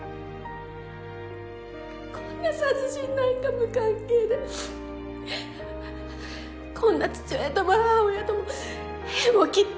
こんな殺人なんか無関係でこんな父親とも母親とも縁を切って。